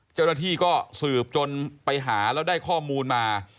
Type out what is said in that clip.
เจ้าหน้าที่ก็สืบจนไปหาแล้วได้ข้อมูลมา